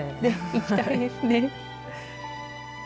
行きたいですね。